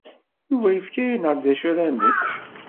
Yuba yefka-aneɣ-d d acu ara nečč.